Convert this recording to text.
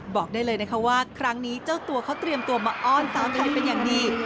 บอกได้เลยนะคะว่าครั้งนี้เจ้าตัวเขาเตรียมตัวมาอ้อนสาวไทยเป็นอย่างดี